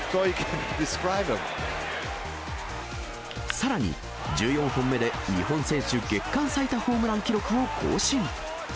さらに、１４本目で日本選手月間最多ホームラン記録を更新。